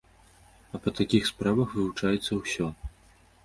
І па такіх справах вывучаецца ўсё.